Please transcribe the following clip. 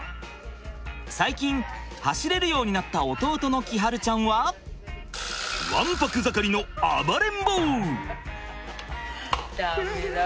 最近走れるようになった弟の輝会ちゃんはわんぱく盛りの暴れん坊！